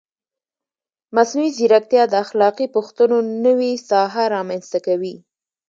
مصنوعي ځیرکتیا د اخلاقي پوښتنو نوې ساحه رامنځته کوي.